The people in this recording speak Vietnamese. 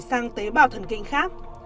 sang tế bào thần kinh khác